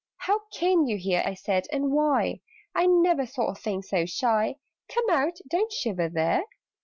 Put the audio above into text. "How came you here," I said, "and why? I never saw a thing so shy. Come out! Don't shiver there!"